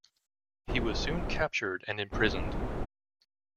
He was soon captured and imprisoned.